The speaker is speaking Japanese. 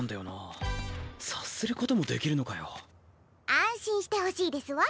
安心してほしいですわ。